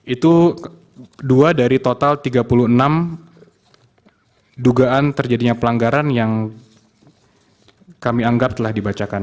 itu dua dari total tiga puluh enam dugaan terjadinya pelanggaran yang kami anggap telah dibacakan